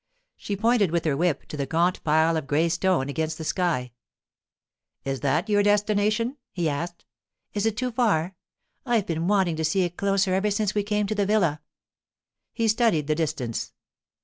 She pointed with her whip to the gaunt pile of grey stone against the sky. 'Is that your destination?' he asked. 'Is it too far? I've been wanting to see it closer ever since we came to the villa.' He studied the distance.